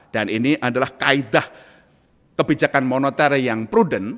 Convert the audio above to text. dan ini adalah kaedah kebijakan monotera yang prudent